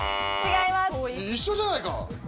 一緒じゃないか。